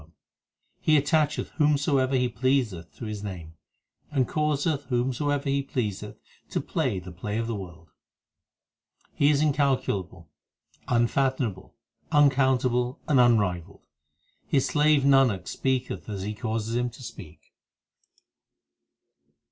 HYMNS OF GURU ARJAN 263 He attacheth whomsoever He pleaseth to His name, And causeth whomsoever He pleaseth to play the play of the world. He is incalculable, unfathomable, uncountable, and un rivalled His slave Nanak speaketh as He causeth him to speak.